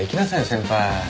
先輩。